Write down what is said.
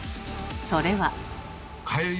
それは。